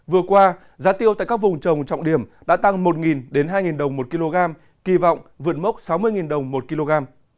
vừa qua giá tiêu tại các vùng trồng trọng điểm đã tăng một đến hai đồng một kg kỳ vọng vượt mốc sáu mươi đồng một kg